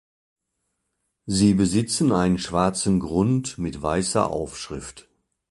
Sie besitzen einen schwarzen Grund mit weisser Aufschrift.